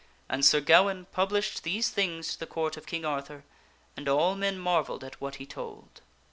And Sir Gawaine published these things to the Court of King Arthur and all men marvelled at what he told.